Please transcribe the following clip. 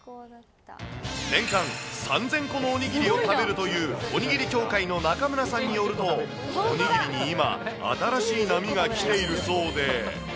年間３０００個のおにぎりを食べるという、おにぎり協会の中村さんによると、おにぎりに今、新しい波が来ているそうで。